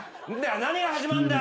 何が始まるんだよ！？